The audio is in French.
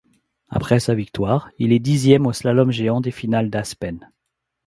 Après sa victoire, il est dixième du slalom géant des Finales d'Aspen.